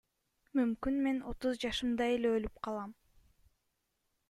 Мүмкүн мен отуз жашымда эле өлүп калам?